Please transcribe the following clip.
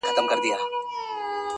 اورنګ زېب،